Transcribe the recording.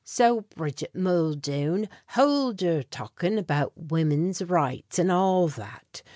So, Bridget Muldoon, howld yer talkin' About Womins' Rights, and all that!